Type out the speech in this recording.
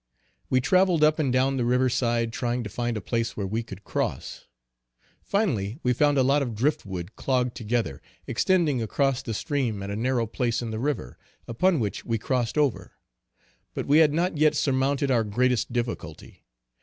We travelled up and down the river side trying to find a place where we could cross. Finally we found a lot of drift wood clogged together, extending across the stream at a narrow place in the river, upon which we crossed over. But we had not yet surmounted our greatest difficulty.